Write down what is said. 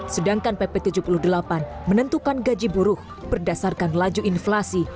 sedangkan pp tujuh puluh delapan menentukan gaji buruh berdasarkan laju inflasi